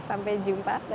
sampai jumpa dan bye bye